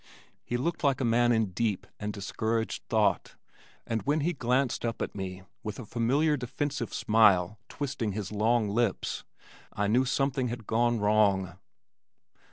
He looked like a man in deep and discouraged thought, and when he glanced up at me, with a familiar defensive smile twisting his long lips, I knew something had gone wrong.